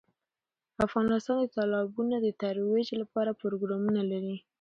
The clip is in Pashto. افغانستان د تالابونه د ترویج لپاره پروګرامونه لري.